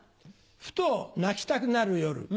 ふと泣きたくなる夜。